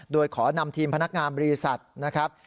โดยขอนำทีมพนักงานบริษัทนะครับ